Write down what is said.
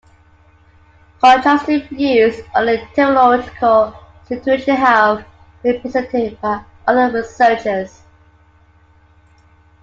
Contrasting views on the typological situation have been presented by other researchers.